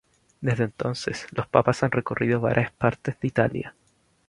Desde entonces, los papas han recorrido varias partes de Italia.